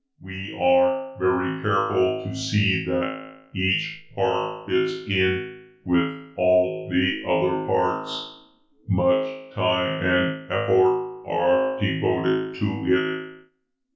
We are very careful to see that each part fits in with all the other parts. Much time and effort are devoted to it."